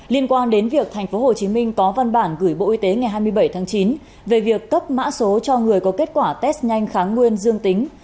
liên quan đến việc tp hcm có văn bản gửi bộ y tế ngày hai mươi bảy tháng chín về việc cấp mã số cho người có kết quả test nhanh kháng nguyên dương tính